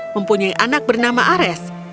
mempunyai anak bernama ares